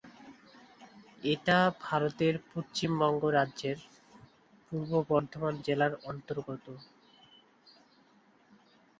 এটি ভারতের পশ্চিমবঙ্গ রাজ্যের পূর্ব বর্ধমান জেলার অন্তর্গত।